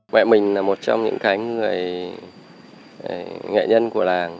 mẹ mình là một trong những người nghệ nhân của làng